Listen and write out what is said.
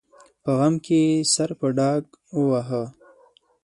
په غم کې یې سر په ډاګ وواهه.